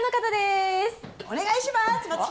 お願いします。